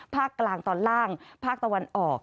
ภาคกลางตอนล่างภาคตะวันออก